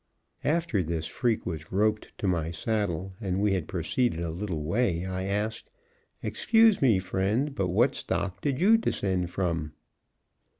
After this freak was roped to my saddle and we had proceeded a little way, I asked, "Excuse me, friend, but what stock did you descend from?"